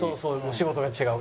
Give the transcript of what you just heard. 仕事が違う。